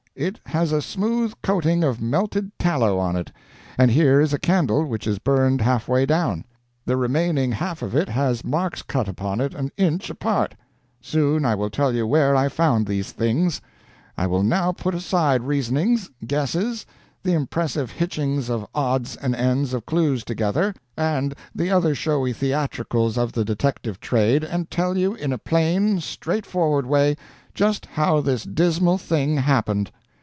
"It has a smooth coating of melted tallow on it. And here is a candle which is burned half way down. The remaining half of it has marks cut upon it an inch apart. Soon I will tell you where I found these things. I will now put aside reasonings, guesses, the impressive hitchings of odds and ends of clues together, and the other showy theatricals of the detective trade, and tell you in a plain, straightforward way just how this dismal thing happened."